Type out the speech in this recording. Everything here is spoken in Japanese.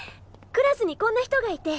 クラスにこんな人がいて。